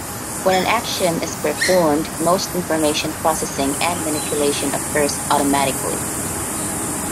When an action is performed, most information processing and manipulation occurs automatically.